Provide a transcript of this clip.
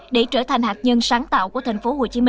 để trở thành hạt nhân sáng tạo của tp hcm